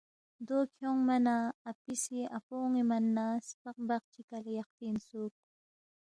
دو کھیونگما نہ اپی سی اپو اون٘ے من نہ سپق بق چی کلے یقفی اِنسُوک